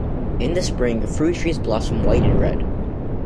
In the Spring, fruit trees blossom white and red.